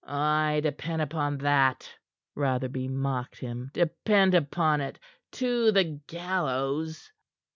"Ay depend upon that," Rotherby mocked him. "Depend upon it to the gallows."